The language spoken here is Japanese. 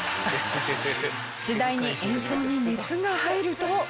次第に演奏に熱が入ると。